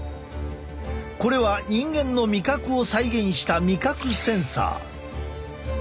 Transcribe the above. これは人間の味覚を再現した味覚センサー。